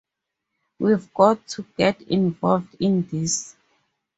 We've got to get involved in this.